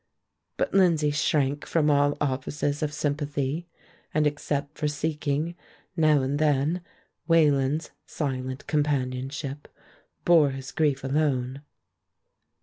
But Lindsay shrank from all offices of sympathy, and except for seeking now and then Wayland's silent companionship, bore his grief alone.